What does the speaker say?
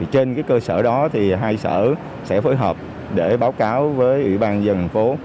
trên cơ sở đó thì hai sở sẽ phối hợp để báo cáo với ủy ban dân thành phố